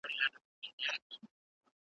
خلک په رسمي مراسمو کې ګډون کوي.